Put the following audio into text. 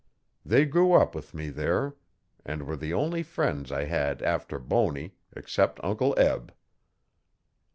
They grew up with me there and were the only friends I had after Bony, except Uncle Eb.